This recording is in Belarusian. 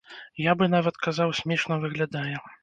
Я бы нават казаў, смешна выглядае.